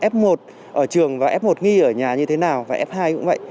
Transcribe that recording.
f một ở trường và f một nghi ở nhà như thế nào và f hai cũng vậy